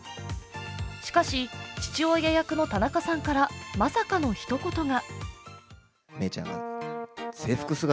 しかし父親役の田中さんからまさかのひと言が。